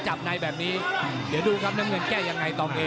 จับในแบบนี้เดี๋ยวดูครับน้ำเงินแก้ยังไงตอนนี้